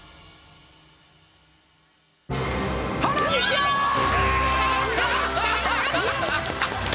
よし！